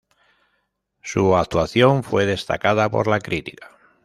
Su actuación fue destacada por la crítica.